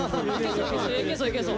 いけそういけそう。